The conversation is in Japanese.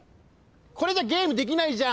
これじゃあゲームできないじゃん。